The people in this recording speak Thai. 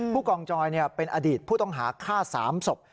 ผู้กองจอยเป็นอดีตผู้ต้องหาฆ่า๓ศพ